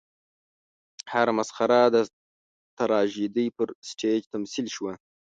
هره مسخره د تراژیدۍ پر سټېج تمثیل شوه.